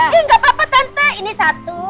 iya enggak apa apa tante ini satu